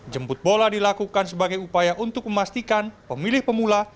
jemput bola dilakukan sebagai upaya untuk memastikan pemilih pemula